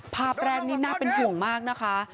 ภาพแรกนี่น่าเป็นห่วงมากนะคะ